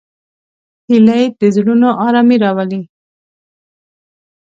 هیلۍ د زړونو آرامي راولي